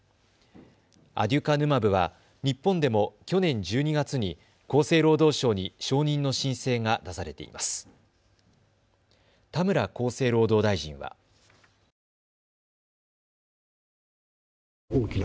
アデュカヌマブは日本でも去年１２月に厚生労働省に承認の申請が出されています。